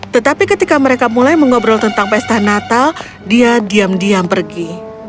tetapi ketika mereka mulai mengobrol tentang pesta natal dia diam diam pergi